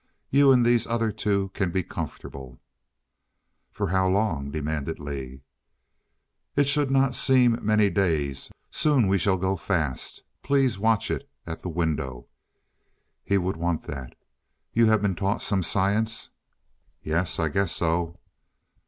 You and these other two can be comfortable " "For how long?" Lee demanded. "It should not seem many days. Soon we shall go fast. Please watch it at the window he would want that. You have been taught some science?" "Yes. I guess so."